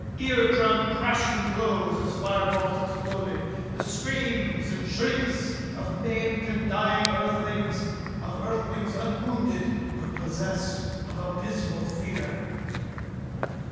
Ear drum crashing blows as fireballs exploded. The screams and shrieks of maimed and dying Earthlings of Earthlings unwounded but possessed of abysmal fear....